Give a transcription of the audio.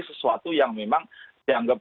sesuatu yang memang dianggap